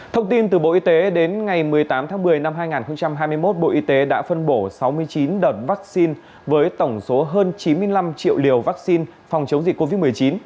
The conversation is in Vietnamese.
thông tin từ bộ y tế đến ngày một mươi tám tháng một mươi năm hai nghìn hai mươi một bộ y tế đã phân bổ sáu mươi chín đợt vaccine với tổng số hơn chín mươi năm triệu liều vaccine phòng chống dịch covid một mươi chín